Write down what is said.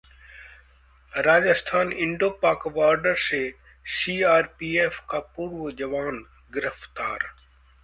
Rajasthan Indo Pak border से CRPF का पूर्व जवान गिरफ्तार